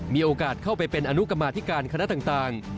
มีโอกาสเข้าไปเป็นอนุกรรมาธิการคณะต่าง